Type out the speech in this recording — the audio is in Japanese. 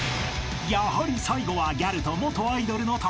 ［やはり最後はギャルと元アイドルの対決に］